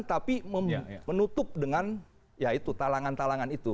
tapi menutup dengan talangan talangan itu